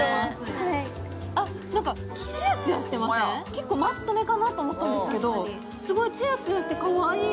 結構マットめかなと思ったんですけどすごいツヤツヤしてかわいい！